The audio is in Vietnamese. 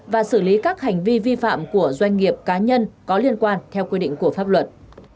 và xử lý các hành vi vi phạm của doanh nghiệp cá nhân có liên quan theo quy định của pháp luật